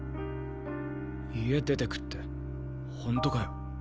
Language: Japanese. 家出てくって本当かよ？